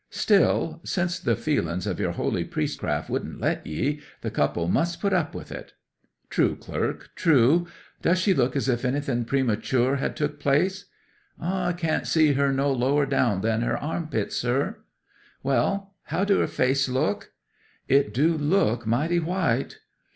"Still, since the feelings of your holy priestcraft wouldn't let ye, the couple must put up with it." '"True, clerk, true! Does she look as if anything premature had took place?" '"I can't see her no lower down than her arm pits, sir." '"Well—how do her face look?" '"It do look mighty white!"